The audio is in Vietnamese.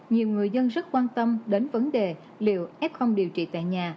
nhiều người dân rất quan tâm đến vấn đề liệu f điều trị tại nhà